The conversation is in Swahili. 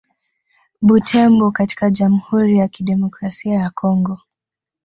Butembo katika Jamhuri ya Kidemokrasia ya Kongo